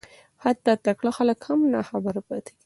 حتی تکړه خلک هم ناخبره پاتېږي